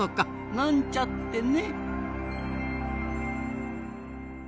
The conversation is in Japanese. なんちゃってね。